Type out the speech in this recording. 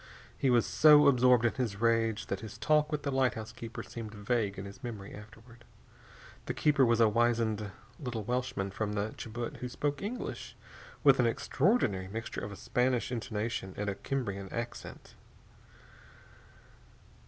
He was so absorbed in his rage that his talk with the lighthouse keeper seemed vague in his memory, afterward. The keeper was a wizened little Welshman from the Chibut who spoke English with an extraordinary mixture of a Spanish intonation and a Cimbrian accent.